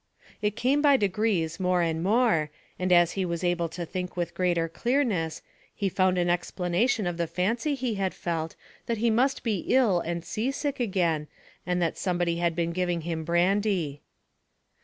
It came by degrees more and more, and as he was able to think with greater clearness, he found an explanation of the fancy he had felt, that he must be ill and sea sick again, and that somebody had been giving him brandy.